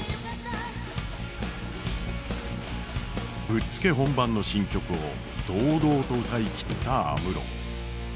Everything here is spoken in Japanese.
ぶっつけ本番の新曲を堂々と歌い切った安室。